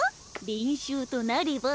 練習となれば。